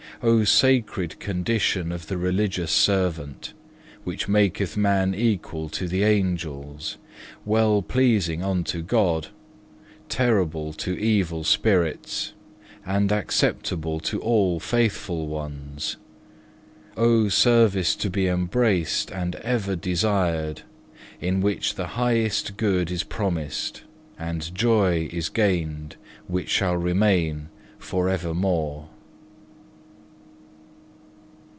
Oh sacred condition of the religious servant, which maketh man equal to the Angels, well pleasing unto God, terrible to evil spirits, and acceptable to all faithful ones! Oh service to be embraced and ever desired, in which the highest good is promised, and joy is gained which shall remain for evermore!